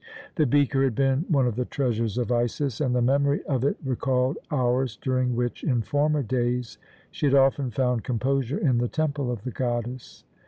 The beaker had been one of the treasures of Isis, and the memory of it recalled hours during which, in former days, she had often found composure in the temple of the goddess.